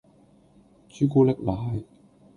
朱古力奶